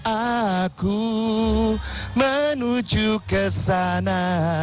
aku menuju kesana